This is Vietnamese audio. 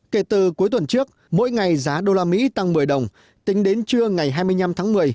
kể từ cuối tuần trước mỗi ngày giá usd tăng một mươi đồng tính đến trưa ngày hai mươi năm tháng một mươi